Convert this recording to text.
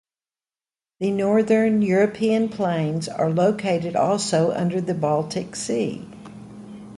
The Northern European Plains are located also under the Baltic Sea.